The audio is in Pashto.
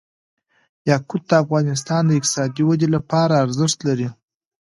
یاقوت د افغانستان د اقتصادي ودې لپاره ارزښت لري.